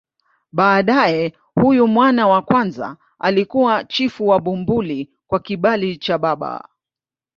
Baadaye huyu mwana wa kwanza alikuwa chifu wa Bumbuli kwa kibali cha baba.